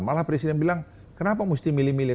malah presiden bilang kenapa mesti milih milih